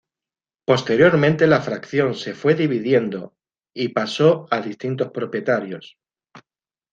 Posteriormente la fracción se fue dividiendo y paso a distintos propietarios.